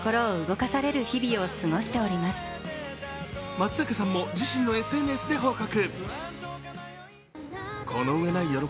松坂さんも自身のＳＮＳで報告。